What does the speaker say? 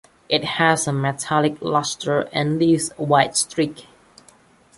It has a metallic luster and leaves a white streak.